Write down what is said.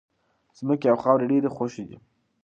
ځمکې او خاورې ډېرې خوښې دي.